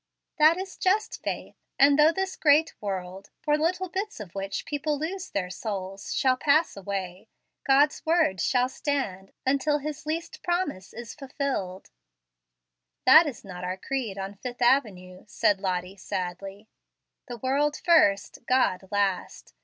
"That is just faith; and though this great world for little bits of which people lose their souls shall pass away, God's word shall stand until His least promise is fulfilled." "That is not our creed on Fifth Avenue," said Lottie sadly. "The world first, God last.